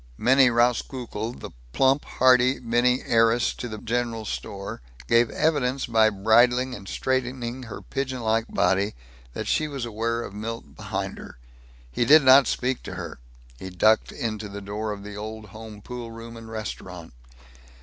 Minnie Rauskukle, plump, hearty Minnie, heiress to the general store, gave evidence by bridling and straightening her pigeon like body that she was aware of Milt behind her. He did not speak to her. He ducked into the door of the Old Home Poolroom and Restaurant.